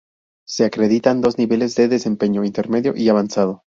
Se acreditan dos niveles de desempeño: intermedio y avanzado.